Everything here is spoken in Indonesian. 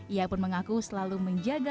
ia pun mengaku selalu menjaga